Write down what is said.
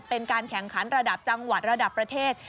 เป็นการแข่งขันระดับจังหวัดระดับประเทศ